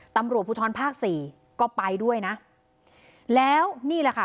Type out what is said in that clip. ตำรวจภูทรภาคสี่ก็ไปด้วยนะแล้วนี่แหละค่ะ